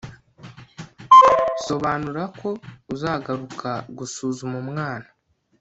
sobanura ko uzagaruka gusuzuma umwana